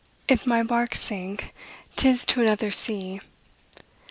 "If my bark sink, 'tis to another sea."